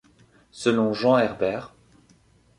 Selon Jean Herbert,